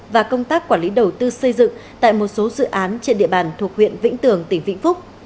và công tác quản lý đầu tư xây dựng tại một số dự án trên địa bàn thuộc huyện vĩnh tường tỉnh vĩnh phúc